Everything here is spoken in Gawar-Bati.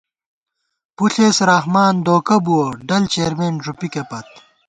پُݪېس رحمان دوکہ بُوَہ ڈل چېرمېن ݫُوپِکے پت